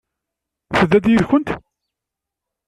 Tedda-d yid-kent?